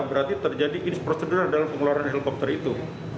berarti terjadi insprosedur dalam pengeluaran helikopter itu